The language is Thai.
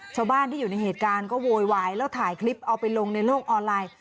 ชาวบ้านที่อยู่ในเหตุการณ์ก็โวยวายแล้วถ่ายคลิปเอาไปลงในโลกออนไลน์